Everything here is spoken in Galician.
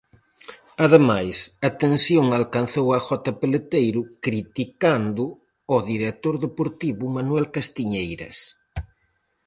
Ademais, a tensión alcanzou a Jota Peleteiro criticando ao director deportivo Manuel Castiñeiras.